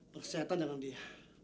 persetan dengan dia